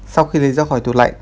sau khi lấy ra khỏi tủ lạnh